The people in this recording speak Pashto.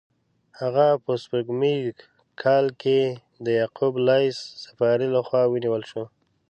هغه په سپوږمیز کال کې د یعقوب لیث صفاري له خوا ونیول شو.